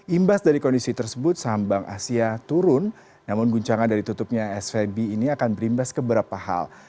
imbas dari kondisi tersebut saham bank asia turun namun guncangan dari tutupnya svb ini akan berimbas ke beberapa hal